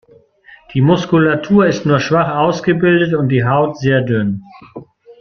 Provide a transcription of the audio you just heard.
Die Muskulatur ist nur schwach ausgebildet und die Haut sehr dünn.